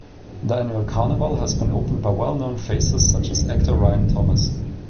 The annual carnival has been opened by well-known faces such as actor Ryan Thomas.